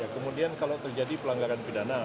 kemudian kalau terjadi pelanggaran pidana